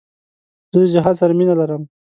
زه د جهاد سره مینه لرم.